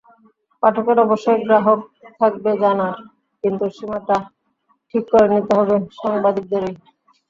পাঠকের অবশ্যই আগ্রহ থাকবে জানার, কিন্তু সীমাটা ঠিক করে নিতে হবে সাংবাদিকদেরই।